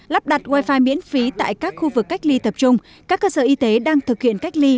lắp đặt wifi miễn phí tại các khu vực cách ly tập trung các cơ sở y tế đang thực hiện cách ly